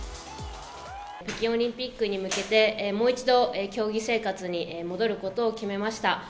北京オリンピックに向けて、もう一度、競技生活に戻ることを決めました。